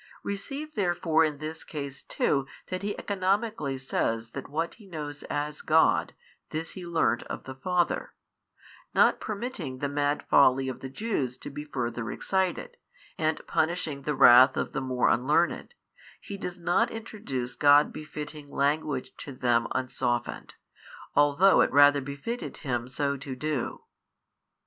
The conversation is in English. Receive therefore in this case too that He economically says that what He knows as God, this He learnt of the Father; not permitting the mad folly of the Jews to be further excited, and punishing the wrath of the more unlearned, He does not introduce God befitting language to them unsoftened, although it rather befitted Him so to do.